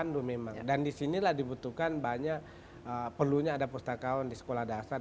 harus dipandu memang dan disinilah dibutuhkan banyak perlunya ada pustakaun di sekolah dasar